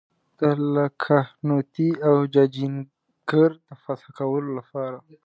د لکهنوتي او جاجینګر د فتح کولو لپاره.